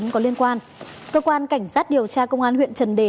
cơ quan cảnh sát điều tra công an huyện trần đề